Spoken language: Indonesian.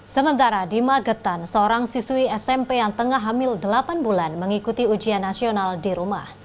sementara di magetan seorang siswi smp yang tengah hamil delapan bulan mengikuti ujian nasional di rumah